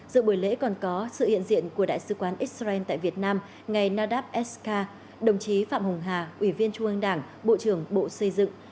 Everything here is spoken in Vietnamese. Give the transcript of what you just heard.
giữa buổi lễ còn có sự hiện diện của đại sứ quán israel tại việt nam ngày nadab eskar đồng chí phạm hùng hà ủy viên trung ương đảng bộ trưởng bộ xây dựng